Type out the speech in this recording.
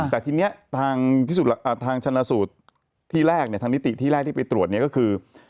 แต่ทีนี้ทางชนะสูตรที่แรกทางนิติที่แรกที่ไปตรวจเนี่ยก็คือ